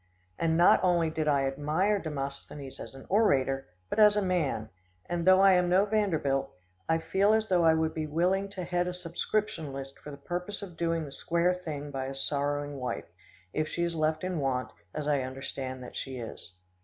And not only did I admire Demosthenes as an orator, but as a man; and, though I am no Vanderbilt, I feel as though I would be willing to head a subscription list for the purpose of doing the square thing by his sorrowing wife, if she is left in want, as I understand that she is.